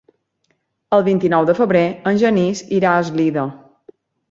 El vint-i-nou de febrer en Genís irà a Eslida.